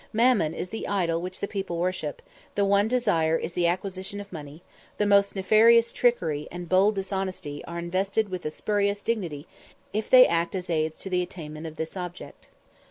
Mammon is the idol which the people worship; the one desire is the acquisition of money; the most nefarious trickery and bold dishonesty are invested with a spurious dignity if they act as aids to the attainment of this object.